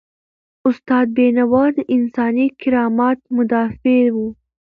استاد بینوا د انساني کرامت مدافع و.